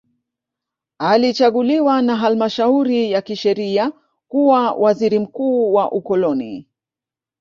Alichaguliwa na halmashauri ya kisheria kuwa waziri mkuu wa ukoloni